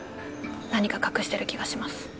何か隠してる気がします